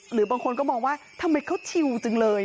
หรือบางคนก็มองว่าทำไมเขาชิวจังเลย